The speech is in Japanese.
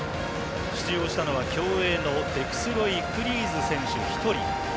出場したのは競泳のデクスロイ・クリーズ選手１人。